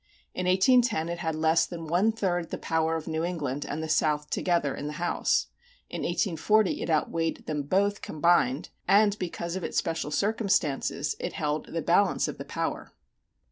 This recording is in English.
In 1810 it had less than one third the power of New England and the South together in the House. In 1840 it outweighed them both combined and because of its special circumstances it held the balance of power.